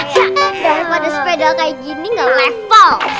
daripada sepeda kayak gini nggak level